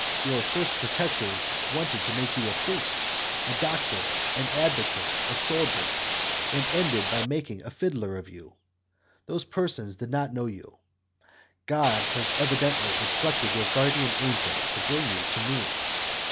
Your first protectors wanted to make you a priest, a doctor, an advocate, a soldier, and ended by making a fiddler of you; those persons did not know you. God had evidently instructed your guardian angel to bring you to me.